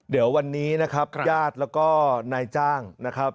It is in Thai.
เดี๋ยววันนี้นะครับญาติแล้วก็นายจ้างนะครับ